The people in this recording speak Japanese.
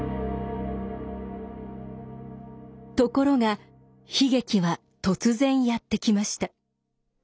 ところが悲劇は突然やって来ました。